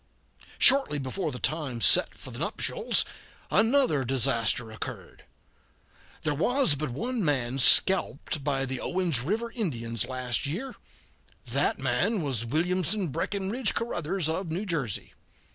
Shortly before the time set for the nuptials another disaster occurred. There was but one man scalped by the Owens River Indians last year. That man was Williamson Breckinridge Caruthers of New Jersey.